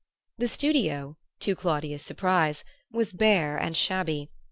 The studio, to Claudia's surprise, was bare and shabby.